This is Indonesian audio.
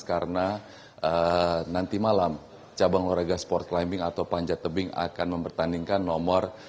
karena nanti malam cabang olahraga sport climbing atau panjat tebing akan mempertandingkan nomor